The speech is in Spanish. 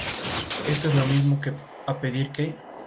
Su primer álbum de estudio Ready?